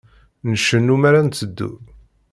Ncennu mi ara netteddu.